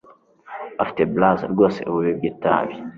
afite blasé rwose ububi bwitabi